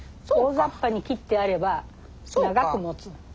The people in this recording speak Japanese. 大ざっぱに切ってあれば長くもつの。